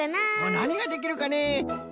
なにができるかねえ？